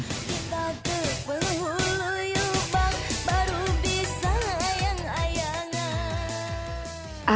kita terpeluh lupa baru bisa sayang ayangnya